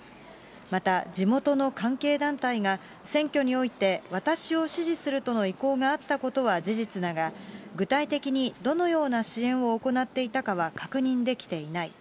また地元の関係団体が、選挙において私を支持するとの意向があったことは事実だが、具体的にどのような支援を行っていたかは確認できていない。